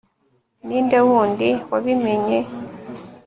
ninde wundi wabimenye